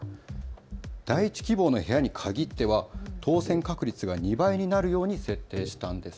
第１希望の部屋にかぎっては当せん確率が２倍になるように設定したんです。